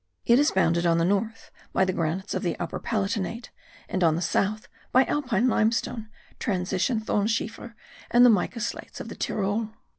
It is bounded on the north by the granites of the Upper Palatinate; and on the south by Alpine limestone, transition thonschiefer, and the mica slates of the Tyrol.